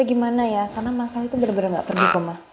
ya gimana ya karena masalah itu bener bener gak terduga mah